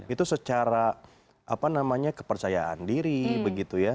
itu secara apa namanya kepercayaan diri begitu ya